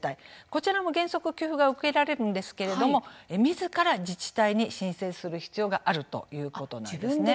こちらも原則給付が受けられるんですけれどもみずから自治体に申請する必要があるということなんですね。